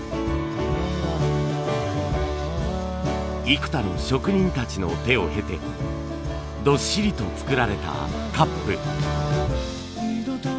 幾多の職人たちの手を経てどっしりと作られたカップ。